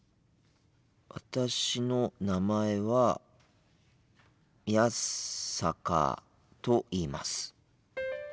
私の名前は宮坂と言います。